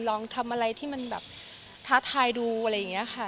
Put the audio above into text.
ลองทำอะไรที่มันแบบท้าทายดูอะไรอย่างนี้ค่ะ